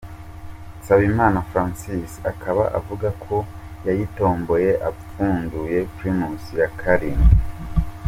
Nsabimana Francois akaba avuga ko yayitomboye apfunduye primus ya karindwi.